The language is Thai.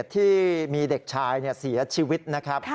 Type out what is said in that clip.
ที่มีเด็กชายเสียชีวิตนะครับ